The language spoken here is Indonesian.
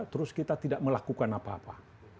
terus kita tidak melakukan apa apa